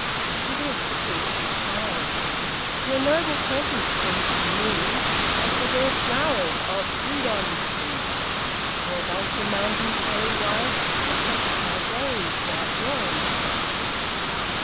To this the priest replied "Your noble presence seems to me Like the rare flowers of Udon tree, Nor does the mountain cherry white, Attract my gaze while you're in sight."